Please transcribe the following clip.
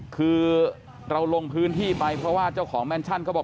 คือเราลงพื้นที่ไปเพราะว่าเจ้าของแมนชั่นเขาบอก